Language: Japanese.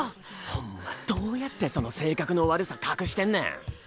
ほんまどうやってその性格の悪さ隠してんねん。